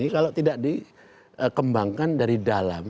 kalau tidak dikembangkan dari dalam